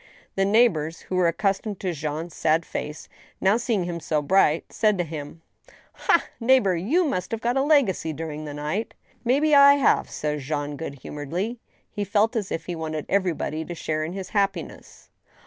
The neighbors, who were accustomed to Jean's sad face, now, seeing him so bright, said to him ;" Ha, neighbor, you must have got a legacy during the night !"" May be I have," said Jean, good humoredly. He felt as if he wanted everybody to share in his happiness.